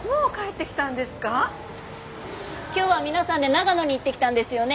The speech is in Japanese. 今日は皆さんで長野に行ってきたんですよね。